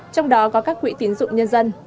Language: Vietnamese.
trong đó có các quỹ tín dụng nhân dân